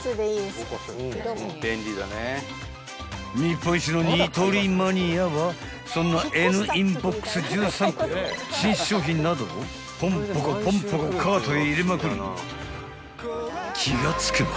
［日本一のニトリマニアはそんなＮインボックス１３個や新商品などをポンポコポンポコカートへ入れまくり気が付けば］